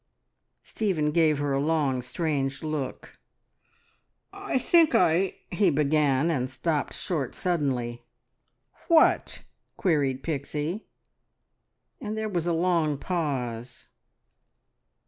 Stephen gave her a long, strange look. "I think I " he began, and stopped short suddenly. "What?" queried Pixie, and there was a long pause.